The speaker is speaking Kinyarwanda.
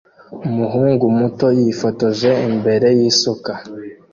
umuhungu muto yifotoje imbere yisuka